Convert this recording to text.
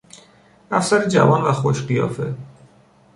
افسر جوان و خوش قیافه